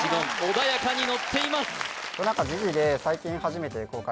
穏やかにのっています